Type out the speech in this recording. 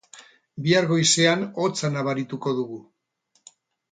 Bihar goizean hotza nabarituko dugu.